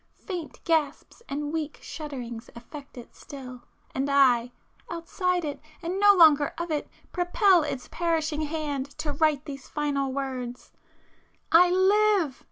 Faint gasps and weak shudderings affect it still,—and I, outside it and no longer of it, propel its perishing hand to write these final words—I live!